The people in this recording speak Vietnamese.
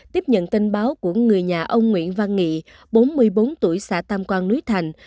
tiếp nhận tin báo của người nhà ông nguyễn văn nghị bốn mươi bốn tuổi xã tam quang núi thành